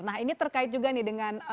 nah ini terkait juga nih dengan